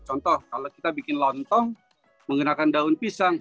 contoh kalau kita bikin lontong menggunakan daun pisang